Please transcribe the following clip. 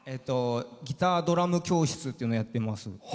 ギタードラム教室というのをやっています。